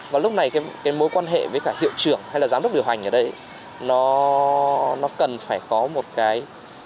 và lúc này cái mối quan hệ với cả hiệu trưởng hay là giám đốc điều hành ở đấy nó cần phải có một cái